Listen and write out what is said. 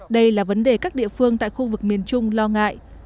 đây là vấn đề các địa phương tại khu vực miền trung lo ngại